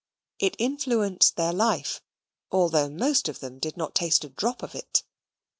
It influenced their life, although most of them did not taste a drop of it.